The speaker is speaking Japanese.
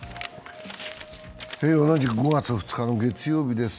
同じく５月２日の月曜日です。